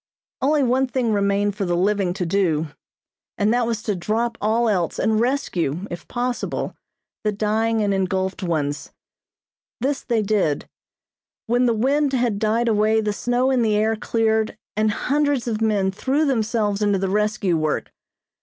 Only one thing remained for the living to do, and that was to drop all else and rescue, if possible, the dying and engulfed ones. This they did. When the wind had died away the snow in the air cleared, and hundreds of men threw themselves into the rescue work.